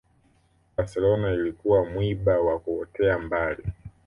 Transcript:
barcelona ilikuwa mwiba wa kuotea mbali